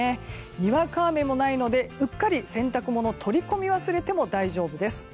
にわか雨もないのでうっかり洗濯物を取り込み忘れても大丈夫です。